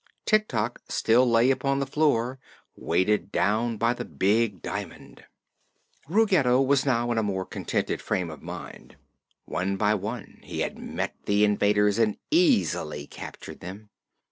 Tik Tok still lay upon the floor, weighted down by the big diamond. Ruggedo was now in a more contented frame of mind. One by one he had met the invaders and easily captured them.